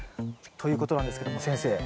ということなんですけども先生。